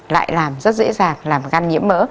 lại làm rất dễ dàng làm gan nhiễm mỡ